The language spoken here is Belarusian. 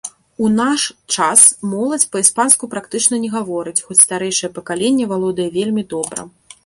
У наш час моладзь па-іспанску практычна не гаворыць, хоць старэйшае пакаленне валодае вельмі добра.